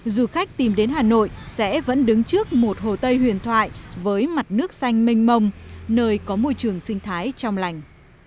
du khách tìm đến hà nội sẽ vẫn đứng trước một hồ tây huyền thoại với mặt nước xanh mênh mông nơi có môi trường sinh thái trong lành